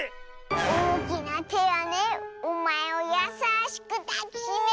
おおきな「て」はねおまえをやさしくだきしめるためだよ。